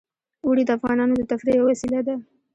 اوړي د افغانانو د تفریح یوه وسیله ده.